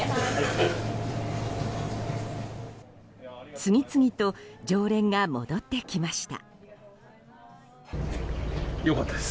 次々と常連が戻ってきました。